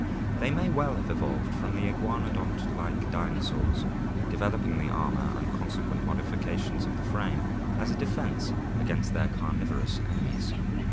They may well have evolved from the iguanodont like dinosaurs, developing the armor and consequent modifications of the frame as a defense against their carnivorous enemies.